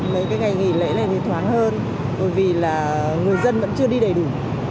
mấy cái ngày nghỉ lễ này thì thoáng hơn bởi vì là người dân vẫn chưa đi đầy đủ